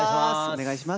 お願いします。